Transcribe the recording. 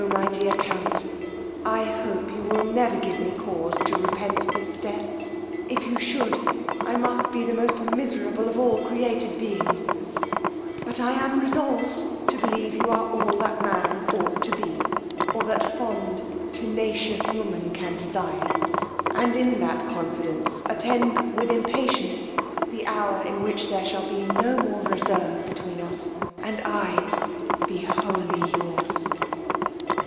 my dear count, I hope you will never give me cause to repent this step; if you should, I must be the most miserable of all created beings; but I am resolved to believe you are all that man ought to be, or that fond tenacious woman can desire; and in that confidence attend with impatience the hour in which there shall be no more reserve between us, and I be wholly yours.